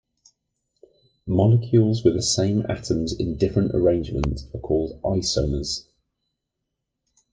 Molecules with the same atoms in different arrangements are called isomers.